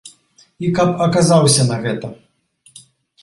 І каб аказаўся на гэта.